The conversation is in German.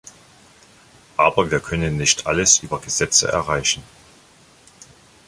Aber wir können nicht alles über Gesetze erreichen.